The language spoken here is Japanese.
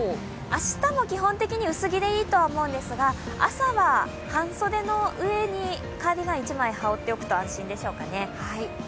明日も基本的に薄着でいいと思うんですが、朝は半袖の上にカーディガン１枚羽織っておくと安心でしょうかね。